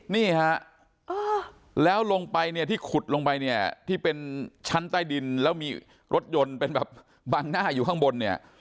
นี่ฮะแล้วลงไปเนี่ยที่ขุดลงไปเนี่ยที่เป็นชั้นใต้ดินแล้วมีรถยนต์เป็นแบบบังหน้าอยู่ข้างบนเนี่ย